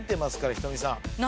仁美さん。